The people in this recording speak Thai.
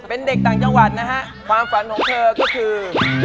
เป็นเด็กต่างจังหวัดนะฮะความฝันของเธอก็คือ